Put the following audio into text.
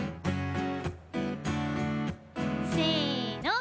せの。